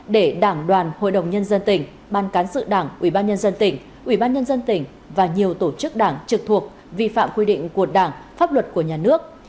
để đảng đoàn hội đồng nhân dân tỉnh ban cán sự đảng ủy ban nhân dân tỉnh ủy ban nhân dân tỉnh và nhiều tổ chức đảng trực thuộc vi phạm quy định của đảng pháp luật của nhà nước